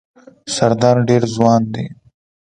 سردار ډېر ځوان دی.